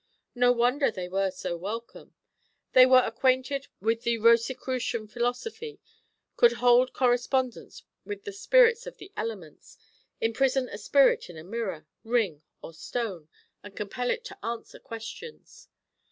No wonder they were so welcome! They were acquainted with the Rosicrucian philosophy, could hold correspondence with the spirits of the elements, imprison a spirit in a mirror, ring, or stone, and compel it to answer questions.